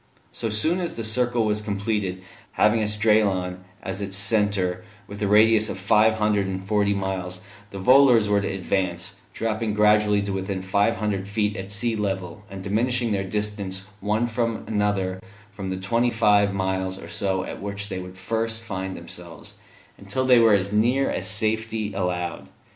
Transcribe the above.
So soon as the circle was completed, having Esdraelon as its centre with a radius of five hundred and forty miles, the volors were to advance, dropping gradually to within five hundred feet of sea level, and diminishing their distance one from another from the twenty five miles or so at which they would first find themselves, until they were as near as safety allowed.